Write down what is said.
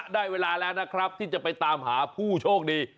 ได้เวลาแล้วนะครับที่จะไปตามหาผู้โชคดี